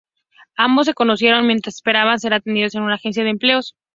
Ambos se conocen mientras esperan ser atendidos en una agencia de empleos.